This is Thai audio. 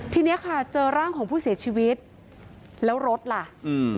ทีเนี้ยค่ะเจอร่างของผู้เสียชีวิตแล้วรถล่ะอืม